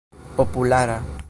populara